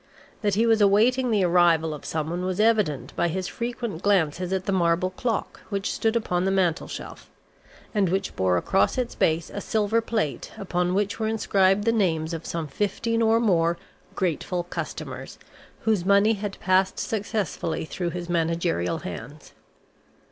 That he was awaiting the arrival of someone was evident by his frequent glances at the marble clock which stood upon the mantel shelf, and which bore across its base a silver plate upon which were inscribed the names of some fifteen or more "grateful customers" whose money had passed successfully through his managerial hands.